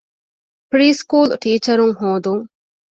ޕްރީސުކޫލު ޓީޗަރުން ހޯދުން